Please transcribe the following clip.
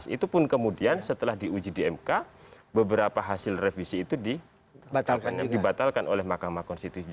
itu pun kemudian setelah diuji di mk beberapa hasil revisi itu dibatalkan oleh mahkamah konstitusi